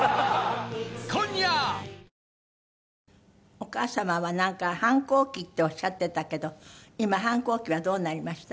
お母様はなんか反抗期っておっしゃってたけど今反抗期はどうなりました？